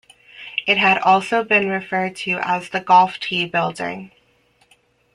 It had also been referred to as the "golf tee" building.